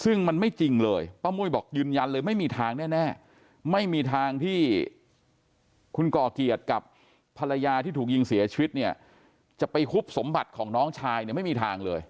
ซึ่งมันไม่จริงเลยป้ามุ้ยบอกยืนยันเลยไม่มีทางแน่ไม่มีทางที่คุณก่อเกียรติกับภรรยาที่ถูกยิงเสียชีวิตเนี่ยจะไปฮุบสมบัติของน้องชายเนี่ยไม่มีทางเลย